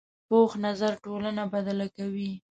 پوخ نظر ټولنه بدله کوي